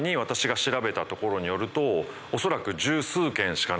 恐らく。